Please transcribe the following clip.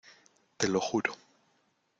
te lo juro.